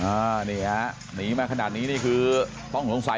อ่านี่ฮะหนีมาขนาดนี้นี่คือต้องหงวงใส